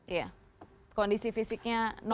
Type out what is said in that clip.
iya kondisi fisiknya normal